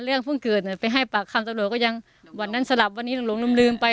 เรื่องเพิ่งเกิดไปให้ปากคำตำรวจก็ยังวันนั้นสลับวันนี้หลงลืมไป